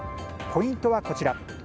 ポイントはこちら。